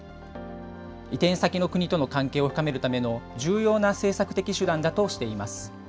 移転先の国との関係を深めるための重要な政策的手段だとしています。